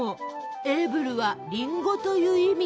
エーブルは「りんご」という意味。